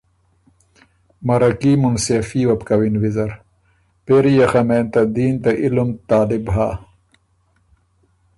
مرکي، مُنصېفي وه بو کوِن ویزر۔ پېری يې خه مېن ته دین ته علُم طالب هۀ